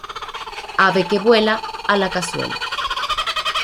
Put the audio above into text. Ave que vuela, a la cazuela